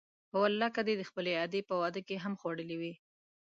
په والله که دې د خپلې ادې په واده کې هم خوړلي وي.